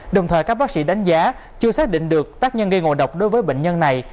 đồng thời các bác sĩ đánh giá chưa xác định được tác nhân gây ngồi độc đối với bệnh nhân này